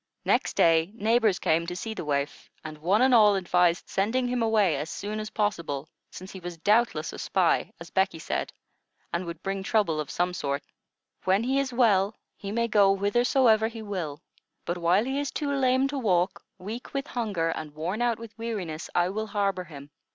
Next day, neighbors came to see the waif, and one and all advised sending him away as soon as possible, since he was doubtless a spy, as Becky said, and would bring trouble of some sort. "When he is well, he may go whithersoever he will; but while he is too lame to walk, weak with hunger, and worn out with weariness, I will harbor him.